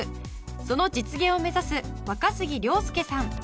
その実現を目指す若杉亮介さん。